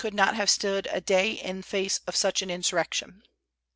could not have stood a day in face of such an insurrection.